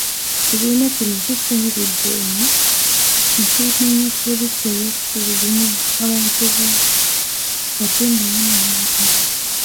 Ekibiina kino kisinzidde wano nekinenya poliisi olw'okutulugunya abantu baakyo wakati nga banoonya akalulu.